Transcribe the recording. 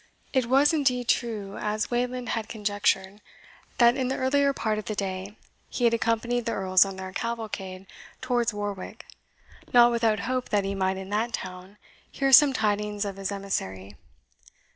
It was indeed true, as Wayland had conjectured, that in the earlier part of the day he had accompanied the Earls on their cavalcade towards Warwick, not without hope that he might in that town hear some tidings of his emissary.